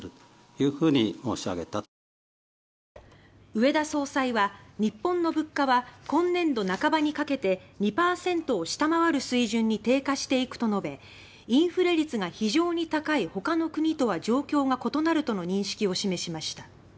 植田総裁は、日本の物価は「今年度半ばにかけて２％を下回る水準に低下していく」と述べインフレ率が非常に高い他の国とは状況が異なるとの認識を示しました。